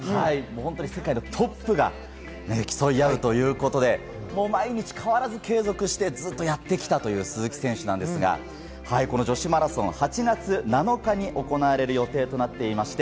世界のトップが競い合うということで毎日変わらずに継続してやってきたという鈴木選手ですが、女子マラソンは８月７日に行われる予定となっていまして。